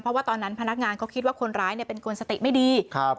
เพราะว่าตอนนั้นพนักงานเขาคิดว่าคนร้ายเนี่ยเป็นคนสติไม่ดีครับ